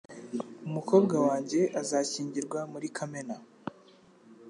Umukobwa wanjye azashyingirwa muri Kamena.